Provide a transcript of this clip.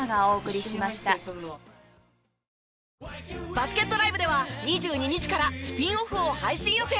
バスケットＬＩＶＥでは２２日からスピンオフを配信予定。